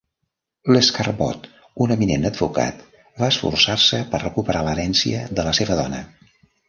Lescarbot, un eminent advocat, va esforçar-se per recuperar l'herència de la seva dona.